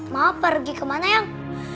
mama pergi kemana ayang